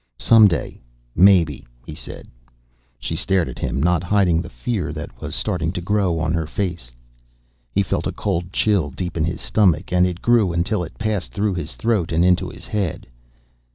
"Someday, maybe," he said. She stared at him, not hiding the fear that was starting to grow on her face. He felt a cold chill deep in his stomach, and it grew until it passed through his throat and into his head.